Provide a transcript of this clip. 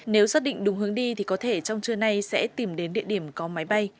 nếu xác định đúng hướng đi thì có thể trong trưa nay sẽ tìm đến địa điểm có máy bay